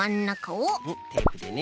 んっテープでね。